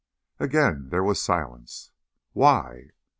Again there was silence. "Why?"